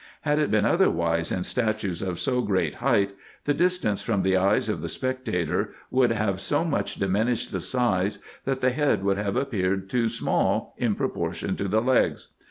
Had it been otherwise in statues of so great height, the distance from the eyes of the spectator would have so much dimi nished the size, that the head would have appeared too small in pro portion to the legs.